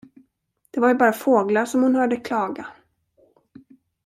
De var ju bara fåglar, som hon hörde klaga.